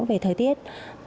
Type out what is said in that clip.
về thời tiết